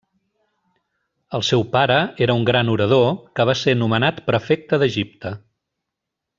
El seu pare era un gran orador, que va ser nomenat prefecte d'Egipte.